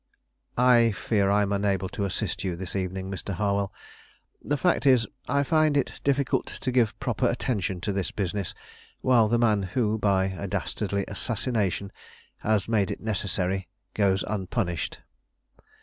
"I fear I am unable to assist you this evening, Mr. Harwell. The fact is, I find it difficult to give proper attention to this business while the man who by a dastardly assassination has made it necessary goes unpunished."